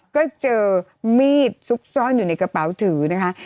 ก็เจอมีดซุกซ่อนอยู่ในกระเป๋าถือนะคะ